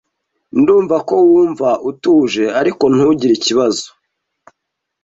Ndumva ko wumva utuje, ariko ntugire ikibazo.